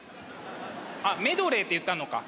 あっ「メドレー」って言ったのか。